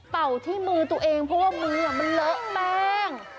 เปว่อที่มือตัวเองเพราะว่ามือเหละแม่ง